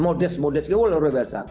modest modestnya udah luar biasa